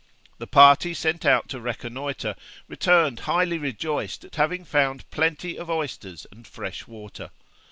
The party sent out to reconnoitre returned highly rejoiced at having found plenty of oysters and fresh water.